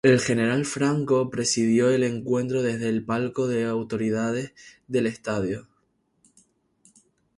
El General Franco presidió el encuentro desde el palco de autoridades del estadio.